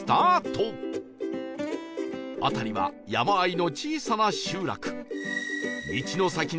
辺りは山あいの小さな集落